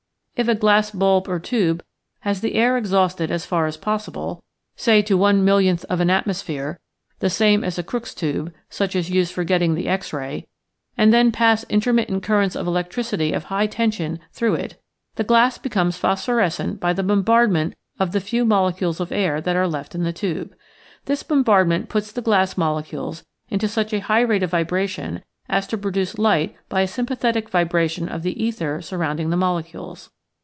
If a glass bulb or tube has the air exhausted as far as possible — say 205 / i . Original from UNIVERSITY OF WISCONSIN 206 nature's d&lracles. to one millionth of an atmosphere — the same as a Crookes tube, such as used for getting the X ray — and then pass intermittent cur rents of electricity of high tension through it, the glass becomes phosphorescent by the bombardment of the few molecules of air that are left in the tube. This bombardment puts the glass molecules into such a high rate of vibration as to produce light by a sympathetic vibration of the ether surrounding the mole cules.